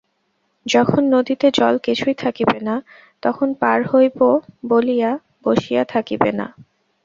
যখন নদীতে জল কিছুই থাকিবে না, তখন পার হইব বলিয়া বসিয়া থাকিবে না।